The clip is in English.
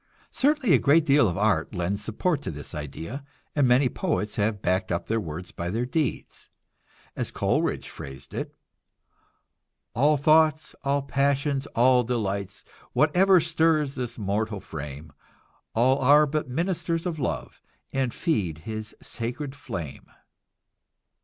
Certainly a great deal of art lends support to this idea, and many poets have backed up their words by their deeds. As Coleridge phrased it: "All thoughts, all passions, all delights, Whatever stirs this mortal frame, All are but ministers of Love And feed his sacred flame."